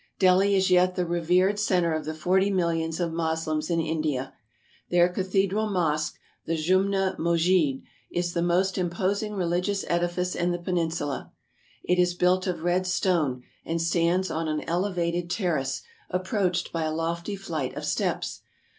Delhi is yet the revered center of the forty millions of Moslems in India. Their cathedral mosque, the Jumna Musjid, is the most imposing religious edifice in the Peninsula. It is built of red stone, and stands on an ele vated terrace, approached by a lofty flight of steps.